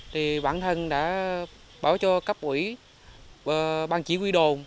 thì bản thân đã bảo cho cấp ủy bàn chỉ huy đồn